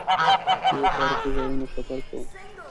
زه د تاریخي ځایونو سفر کوم.